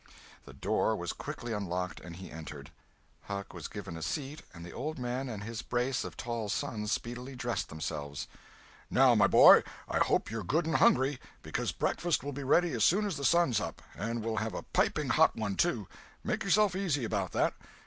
The door was quickly unlocked, and he entered. Huck was given a seat and the old man and his brace of tall sons speedily dressed themselves. "Now, my boy, I hope you're good and hungry, because breakfast will be ready as soon as the sun's up, and we'll have a piping hot one, too—make yourself easy about that!